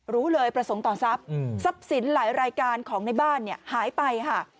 รู้เลยประสงค์ต่อทรัพย์ทรัพย์ศิลป์หลายรายการของในบ้านหายไป